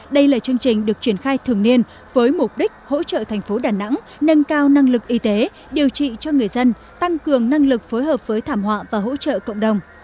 đây là chương trình được triển khai thường niên với mục đích hỗ trợ thành phố đà nẵng nâng cao năng lực y tế điều trị cho người dân tăng cường năng lực phối hợp với thảm họa và hỗ trợ cộng đồng